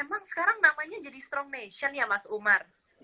emang sekarang namanya jadi strong nation ya mas umar